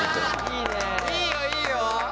いいよいいよ。